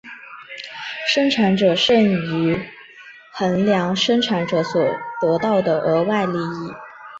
生产者剩余衡量生产者所得到的额外利益。